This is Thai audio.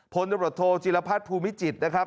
พลโดรทโทจิลภัทรภูมิจิตนะครับ